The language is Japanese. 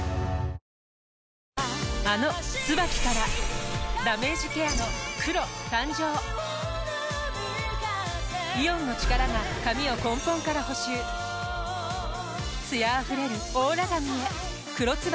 あの「ＴＳＵＢＡＫＩ」からダメージケアの黒誕生イオンの力が髪を根本から補修艶あふれるオーラ髪へ「黒ＴＳＵＢＡＫＩ」